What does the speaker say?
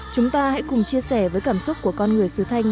chúng ta hãy cùng chia sẻ với cảm xúc của con người sứ thanh